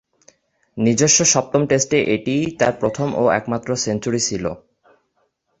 নিজস্ব সপ্তম টেস্টে এটিই তার প্রথম ও একমাত্র সেঞ্চুরি ছিল।